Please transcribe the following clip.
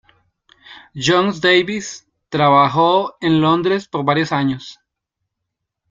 Jones-Davies trabajó en Londres por varios años.